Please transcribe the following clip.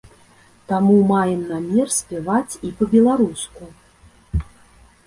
Таму маем намер спяваць і па-беларуску.